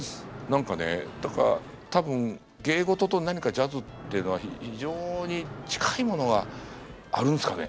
何かねだから多分芸事と何かジャズっていうのは非常に近いものがあるんすかね？